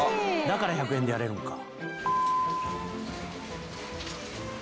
「だから１００円でやれるんか」